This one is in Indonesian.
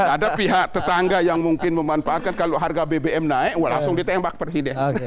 ada pihak tetangga yang mungkin memanfaatkan kalau harga bbm naik langsung ditembak presiden